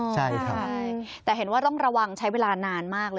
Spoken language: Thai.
ใช่ครับแต่เห็นว่าต้องระวังใช้เวลานานมากเลย